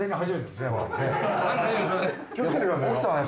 気をつけてくださいよ。